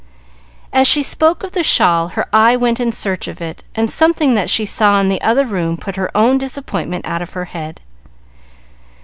As she spoke of the shawl her eye went in search of it, and something that she saw in the other room put her own disappointment out of her head.